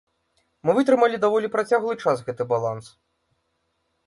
Мы вытрымалі даволі працяглы час гэты баланс.